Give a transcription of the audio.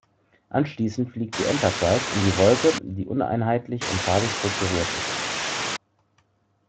Anschließend fliegt die "Enterprise" in die Wolke, die uneinheitlich und farbig strukturiert ist.